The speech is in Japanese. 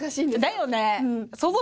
だよね！